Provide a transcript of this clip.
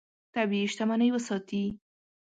طبیعي شتمنۍ وساتې.